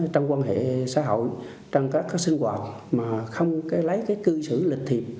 trong quan hệ xã hội trong các sinh hoạt mà không lấy cái cư xử lịch thiệp